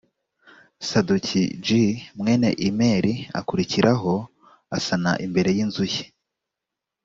sadoki j mwene imeri akurikiraho asana imbere y inzu ye